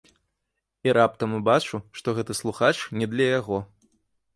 І раптам убачыў, што гэты слухач не для яго.